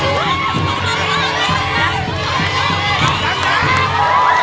สวยสวยม่ะ